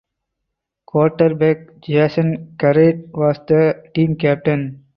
Quarterback Jason Garrett was the team captain.